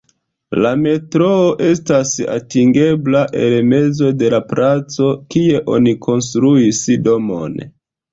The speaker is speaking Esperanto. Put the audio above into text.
La metroo estas atingebla el mezo de la placo, kie oni konstruis domon.